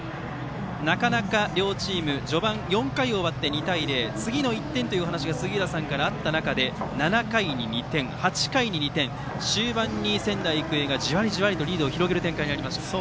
なかなか両チーム序盤４回を終わって２対０、次の１点というお話が杉浦さんからあった中で７回に２点８回に２点と終盤に仙台育英がじわりじわりとリードを広げる展開になりました。